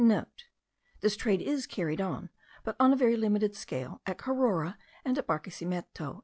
*(* This trade is carried on, but on a very limited scale, at Carora and at Barquesimeto.)